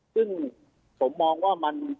ซึ่งผมมองว่า